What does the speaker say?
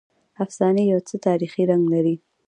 افسانې یو څه تاریخي رنګ اخلي.